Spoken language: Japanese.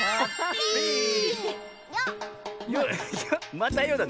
また「よ」だね。